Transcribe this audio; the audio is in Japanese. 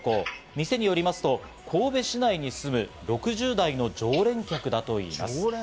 店によりますと神戸市内に住む６０代の常連客だといいます。